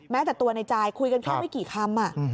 จากตัวในจายคุยกันแค่ไม่กี่คำ